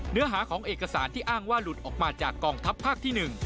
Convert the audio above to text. เนื้อหาของเอกสารที่อ้างว่าหลุดออกมาจากกองทัพภาคที่๑